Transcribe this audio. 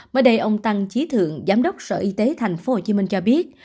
mới đây ông tăng trí thượng giám đốc sở y tế tp hcm cho biết